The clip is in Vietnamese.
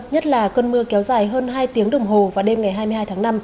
nhất là cơn mưa kéo dài hơn hai tiếng đồng hồ vào đêm ngày hai mươi hai tháng năm